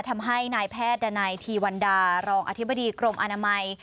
ทำให้นายแพทย์ดันัยทีวันดารองอธิบดีกรมอนามัย